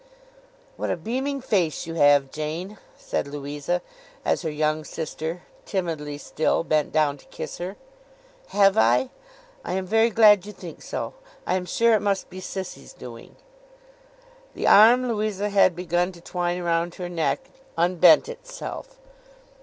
'What a beaming face you have, Jane!' said Louisa, as her young sister—timidly still—bent down to kiss her. 'Have I? I am very glad you think so. I am sure it must be Sissy's doing.' The arm Louisa had begun to twine around her neck, unbent itself.